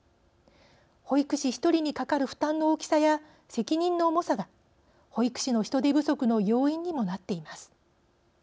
保育士１人にかかる負担の大きさや責任の重さが保育士の人手不足の要因にもなっています。